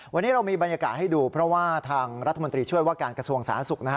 วันนี้เรามีบรรยากาศให้ดูเพราะว่าทางรัฐมนตรีช่วยว่าการกระทรวงสาธารณสุขนะฮะ